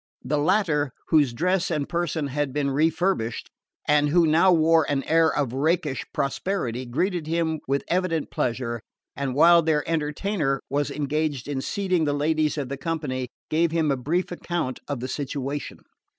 The latter, whose dress and person had been refurbished, and who now wore an air of rakish prosperity, greeted him with evident pleasure, and, while their entertainer was engaged in seating the ladies of the company, gave him a brief account of the situation.